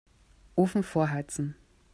Ofen vorheizen.